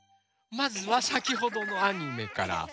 まずはさきほどのアニメから。